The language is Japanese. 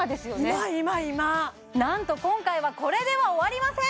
今今今なんと今回はこれでは終わりません